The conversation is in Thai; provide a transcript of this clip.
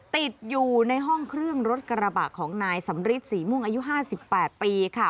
ติดอยู่ในห้องเครื่องรถกระบะของนายสำริทศรีม่วงอายุ๕๘ปีค่ะ